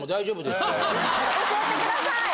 教えてください！